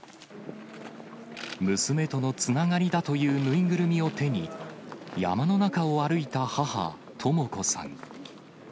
娘とのつながりだという縫いぐるみを手に、山の中を歩いた母、とも子さん。